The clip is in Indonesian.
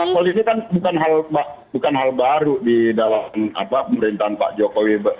politik kan bukan hal baru di dalam pemerintahan pak jokowi